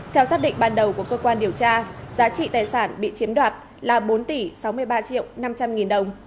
theo xác định ban đầu của cơ quan điều tra giá trị tài sản bị chiếm đoạt là bốn tỷ sáu mươi ba triệu năm trăm linh nghìn đồng